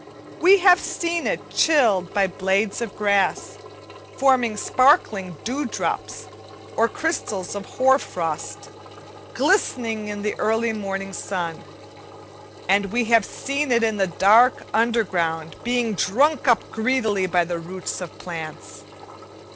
We have seen it chilled by the blades of grass, forming sparkling dew drops or crystals of hoar frost, glistening in the early morning sun; and we have seen it in the dark underground, being drunk up greedily by the roots of plants.